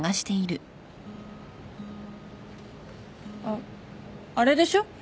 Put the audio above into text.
あっあれでしょ？